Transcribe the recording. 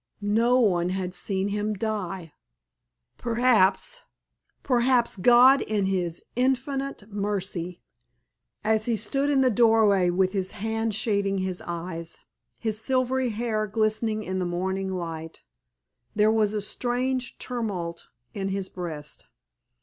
No one had seen him die! Perhaps—perhaps God in His infinite mercy—— As he stood in the doorway with his hand shading his eyes, his silvery hair glistening in the morning light, there was a strange tumult in his breast.